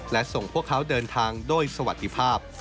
และส่งพวกเขาเดินทางด้วยสวัสดีภาพ